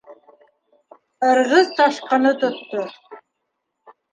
Ырғыҙ ташҡыны тотто.